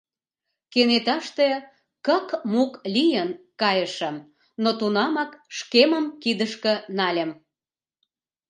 Кенеташте кык-мук лийын кайышым, но тунамак шкемым кидышке нальым.